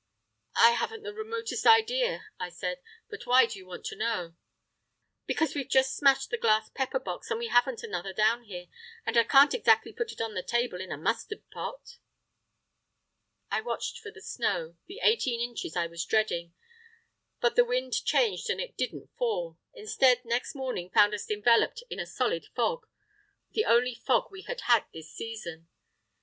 "I haven't the remotest idea," I said; "but why do you want to know?" "Because we've just smashed the glass pepper box, and we haven't another down here. And I can't exactly put it on the table in a mustard pot!" I watched for the snow, the eighteen inches I was dreading; but the wind changed and it didn't fall. Instead, next morning found us enveloped in a solid fog—the only fog we had had this season.